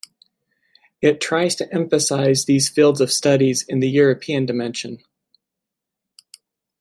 It tries to emphasize these fields of studies in the European dimension.